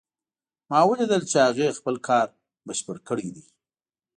ما ولیدل چې هغې خپل کار بشپړ کړی ده